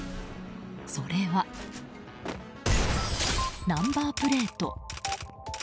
それは、ナンバープレート。